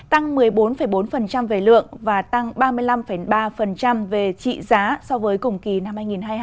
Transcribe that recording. tăng một mươi bốn bốn về lượng và tăng ba mươi năm ba về trị giá so với cùng kỳ năm hai nghìn hai mươi hai